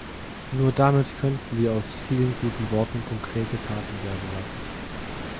Nur damit könnten wir aus vielen guten Worten konkrete Taten werden lassen.